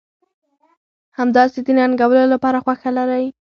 همداسې د ننګولو لپاره خوښه لرئ.